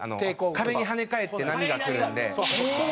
壁に跳ね返って波が来るんで。